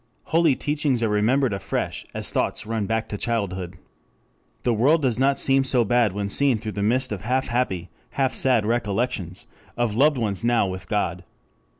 Holy teachings are remembered afresh as thoughts run back to childhood. The world does not seem so bad when seen through the mist of half happy, half sad recollections of loved ones now with God.